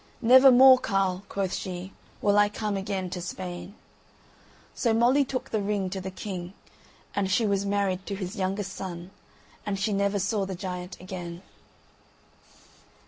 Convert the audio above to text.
"Never more, carle," quoth she, "will I come again to Spain." So Molly took the ring to the king, and she was married to his youngest son, and she never saw the giant again.